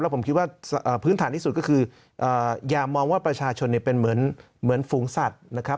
ผมคิดว่าพื้นฐานที่สุดก็คืออย่ามองว่าประชาชนเป็นเหมือนฝูงสัตว์นะครับ